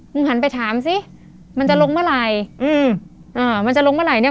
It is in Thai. หันไปถามสิมันจะลงเมื่อไหร่อืมอ่ามันจะลงเมื่อไหร่เนี้ย